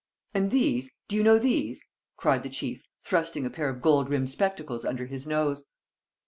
"And these? Do you know these?" cried the chief, thrusting a pair of gold rimmed spectacles under his nose.